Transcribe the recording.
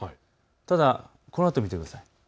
ただこのあとを見てください。